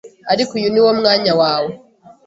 ariko uyu niwo mwanya wawe